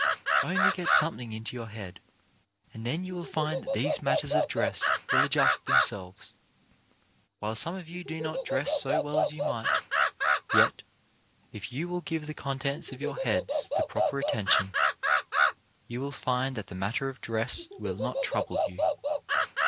Only get something into your head, and then you will find that these matters of dress will adjust themselves. While some of you do not dress so well as you might, yet, if you will give the contents of your heads the proper atten tion, you will find that the matter of dress will not trouble you.